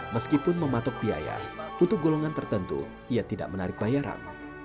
meskipun mematok biaya untuk golongan tertentu ia tidak menarik bayaran